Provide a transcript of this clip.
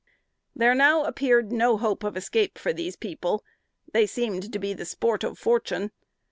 There now appeared no hope of escape for these people; they seemed to be the sport of fortune.